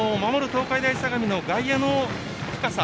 東海大相模の外野の深さ